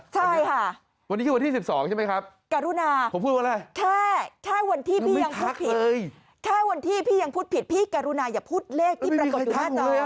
ใช่ค่ะวันนี้คือวันที่๑๒ใช่ไหมครับการุนาแค่วันที่พี่ยังพูดผิดพี่การุนาอย่าพูดเลขที่ปรากฏอยู่ท่านต่อ